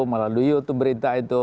melalui youtube berita itu